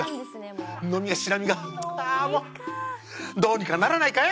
あもうどうにかならないかい？